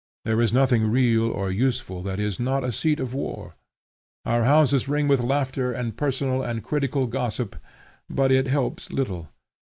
There is nothing real or useful that is not a seat of war. Our houses ring with laughter and personal and critical gossip, but it helps little.